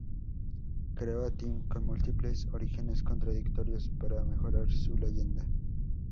Creó a Tim con múltiples orígenes contradictorios para mejorar su leyenda.